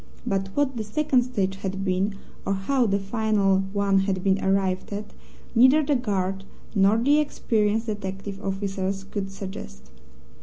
But what the second stage had been, or how the final one had been arrived at, neither the guard nor the experienced detective officers could suggest.